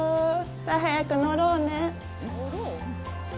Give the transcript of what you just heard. さあ、早く乗ろうね。